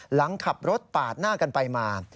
หลังขับรถปาดหน้ากันไปมา